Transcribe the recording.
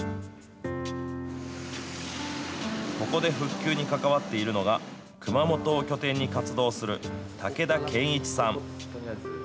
ここで復旧に関わっているのが、熊本を拠点に活動する竹田健一さん。